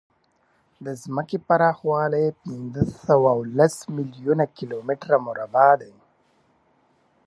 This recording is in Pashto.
د ځمکې پراخوالی پینځهسوهلس میلیونه کیلومتره مربع دی.